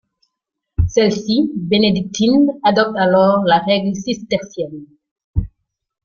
Celle-ci, bénédictine, adopte alors la règle cistercienne.